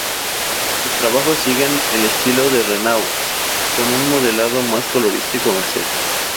Sus trabajos siguen el estilo de Renau, con un modelado más colorista y comercial.